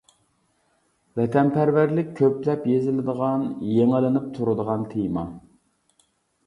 ۋەتەنپەرۋەرلىك كۆپلەپ يېزىلىدىغان، يېڭىلىنىپ تۇرىدىغان تېما.